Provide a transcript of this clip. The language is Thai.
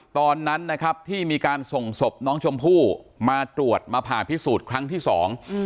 ตอนนั้นนะครับที่มีการส่งศพน้องชมพู่มาตรวจมาผ่าพิสูจน์ครั้งที่สอง